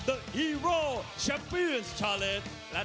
ตอนนี้มวยกู้ที่๓ของรายการ